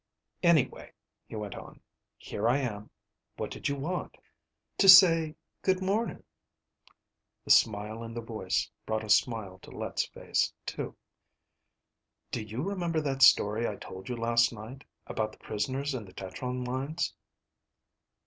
"Anyway," he went on. "Here I am. What did you want?" "To say good morning." The smile in the voice brought a smile to Let's face too. "Do you remember that story I told you last night, about the prisoners in the tetron mines?"